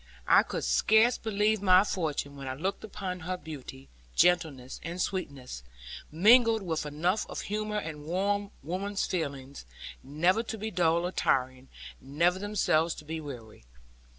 I could scarce believe my fortune, when I looked upon her beauty, gentleness, and sweetness, mingled with enough of humour and warm woman's feeling, never to be dull or tiring; never themselves to be weary.